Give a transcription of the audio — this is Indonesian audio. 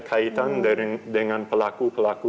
kaitan dengan pelaku pelaku